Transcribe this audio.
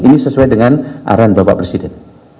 ini sesuai dengan arahan bapak presiden